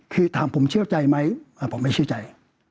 คือถามผมเชื่อใจไหมผมไม่เชื่อใจ